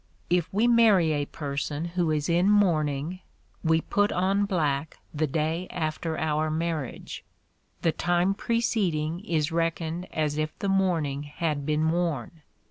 If we marry a person who is in mourning, we put on black the day after our marriage; the time preceding is reckoned as if the mourning had been worn.